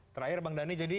terakhir bang dhani